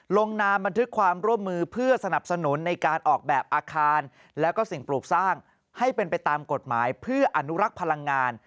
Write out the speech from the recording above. ลงนามบันทึกความร่วมมือเพื่อสนับสนุนในการออกแบบอาคารแล้วก็สิ่งปลูกสร้างให้เป็นไปตามกฎหมายเพื่ออนุรักษ์พลังงาน